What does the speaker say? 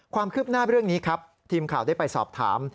ความคืบหน้าเรื่องนี้ครับทีมข่าวได้ไปสอบถาม